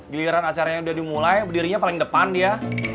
giliran acaranya udah dimulai berdirinya paling depan ya